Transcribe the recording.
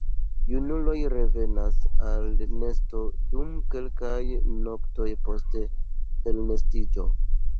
Junuloj revenas al nesto dum kelkaj noktoj post elnestiĝo.